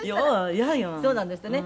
「そうなんですってね。